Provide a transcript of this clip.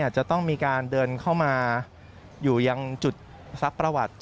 จะต้องมีการเดินเข้ามาอยู่ยังจุดซักประวัติ